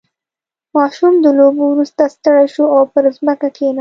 • ماشوم د لوبو وروسته ستړی شو او پر ځمکه کښېناست.